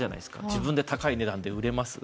自分で高い値段で売れます？